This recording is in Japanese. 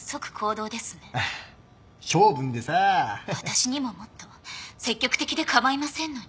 私にももっと積極的で構いませんのに。